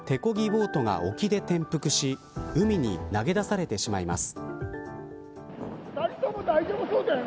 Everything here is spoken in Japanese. ボートが沖で転覆し海に投げ出されてしまいます。